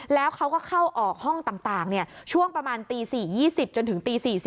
แล้วเขาก็เข้าออกห้องต่างช่วงประมาณตี๔๒๐จนถึงตี๔๔